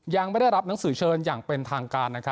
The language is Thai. ยังไม่ได้รับหนังสือเชิญอย่างเป็นทางการ